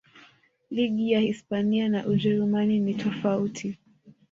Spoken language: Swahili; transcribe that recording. ligi ya hispania na ujerumani ni tofauti